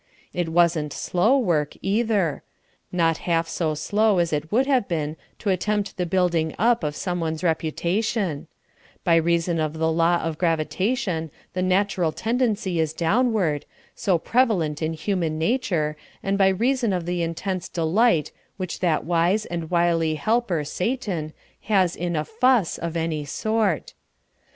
It wasn't slow work either not half so slow as it would have been to attempt the building up of someone's reputation; by reason of the law of gravitation the natural tendency is downward, so prevalent in human nature, and by reason of the intense delight which that wise and wily helper, Satan, has in a fuss of any sort.